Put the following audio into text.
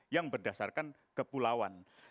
yang berdasarkan kepulauan